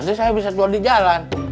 lati saya bisa jual di jalan